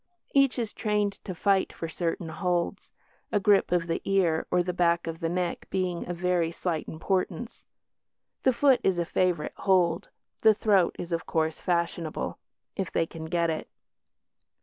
Each is trained to fight for certain holds, a grip of the ear or the back of the neck being of very slight importance. The foot is a favourite hold, the throat is, of course, fashionable if they can get it.